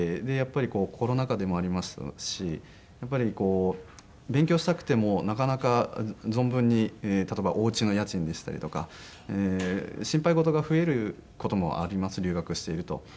でやっぱりコロナ禍でもありましたし勉強したくてもなかなか存分に例えばお家の家賃でしたりとか心配事が増える事もあります留学していると。